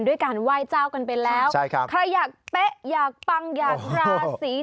ด้วยการไหว้เจ้ากันไปแล้วใช่ครับใครอยากเป๊ะอยากปังอยากราศี